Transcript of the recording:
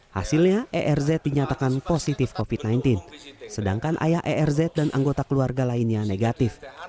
hasilnya erz dinyatakan positif covid sembilan belas sedangkan ayah erz dan anggota keluarga lainnya negatif